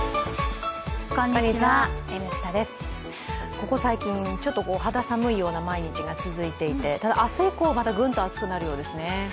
ここ最近、ちょっと肌寒いような毎日が続いていてただ明日以降、またぐんと暑くなるようですね。